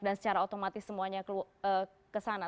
dan secara otomatis semuanya kesana